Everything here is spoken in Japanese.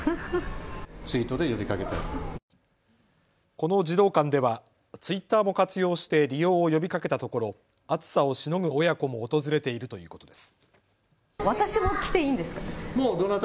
この児童館ではツイッターも活用して利用を呼びかけたところ、暑さをしのぐ親子も訪れているということです。